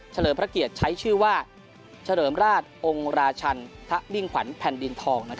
เลิมพระเกียรติใช้ชื่อว่าเฉลิมราชองค์ราชันทะมิ่งขวัญแผ่นดินทอง